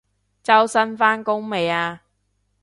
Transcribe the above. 周生返工未啊？